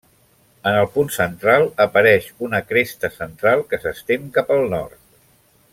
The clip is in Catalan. En el punt central apareix una cresta central que s'estén cap al nord.